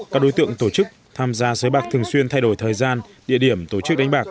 các đối tượng tổ chức tham gia sới bạc thường xuyên thay đổi thời gian địa điểm tổ chức đánh bạc